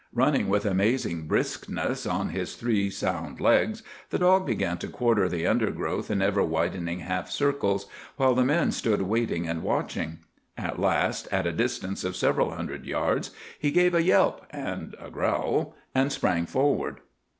Running with amazing briskness on his three sound legs, the dog began to quarter the undergrowth in ever widening half circles, while the men stood waiting and watching. At last, at a distance of several hundred yards, he gave a yelp and a growl, and sprang forward.